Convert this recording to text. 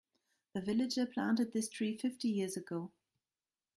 A villager planted this tree fifty years ago.